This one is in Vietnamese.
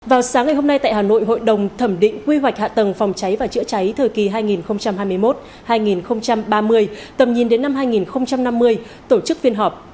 vào sáng ngày hôm nay tại hà nội hội đồng thẩm định quy hoạch hạ tầng phòng cháy và chữa cháy thời kỳ hai nghìn hai mươi một hai nghìn ba mươi tầm nhìn đến năm hai nghìn năm mươi tổ chức phiên họp